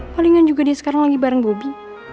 palingan juga dia sekarang lagi bareng bobby